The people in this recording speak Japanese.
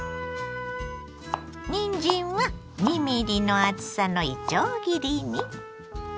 にんじんは２ｍｍの厚さのいちょう切りに。